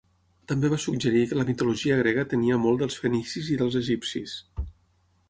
També va suggerir que la mitologia grega tenia molt dels fenicis i dels egipcis.